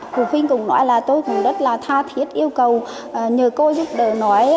phụ huynh cũng nói là tôi cũng rất là tha thiết yêu cầu nhờ cô giúp đỡ nói